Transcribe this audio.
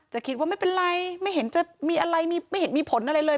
จะคิดว่าไม่เป็นไรไม่เห็นจะมีอะไรไม่เห็นมีผลอะไรเลย